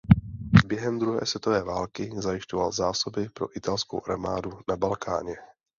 Během druhé světové války zajišťoval zásoby pro italskou armádu na Balkáně.